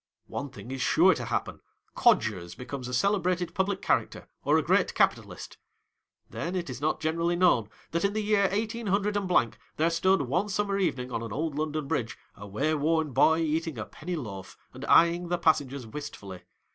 One thing is sure to happen. Codgers becomes a celebrated public character, or a great capitalist. Then it is not generally known that in the year eighteen hundred and blank, there stood, one summer evening on old London Bridge, away worn boy eating a penny loaf, and eyeing the passengers wistfully.